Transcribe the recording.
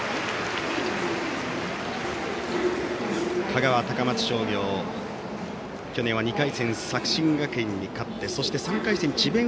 香川・高松商業去年は２回戦、作新学院に勝ってそして３回戦智弁